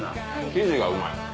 生地がうまい。